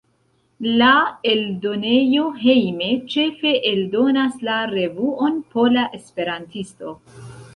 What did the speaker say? La eldonejo Hejme ĉefe eldonas la revuon Pola Esperantisto.